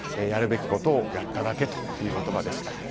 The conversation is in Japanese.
やるべきことをやっただけという言葉でした。